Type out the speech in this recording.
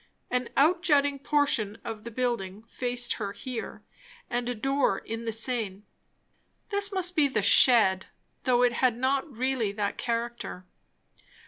An out jutting portion of the building faced her here, and a door in the sane. This must be the "shed," though it had not really that character.